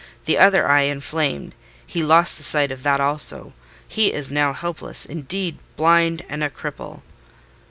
The other eye inflamed: he lost the sight of that also. He is now helpless, indeed—blind and a cripple."